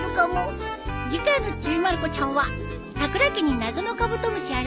次回の『ちびまる子ちゃん』は。